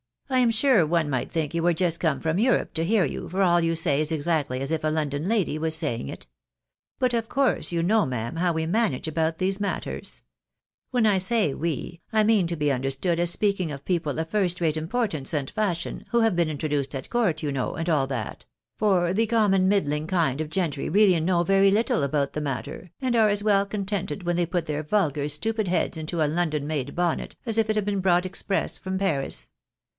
" I am sure one might think you were just come from Europe to hear you, for all you say is exactly as if a London lady was saying it. But of course you know, ma'am, how we manage about these matters ? When I say we, I mean to be understood as speaking of people of first rate im portance and fashion, who have been introduced at court, you know, and all that ; for the common middling kind of gentry really know very little about the matter, and are as well contented when they put their vulgar stupid heads into a London made bonnet, as if it had been brought express from Paris.